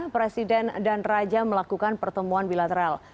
presiden dan raja melakukan pertemuan bilateral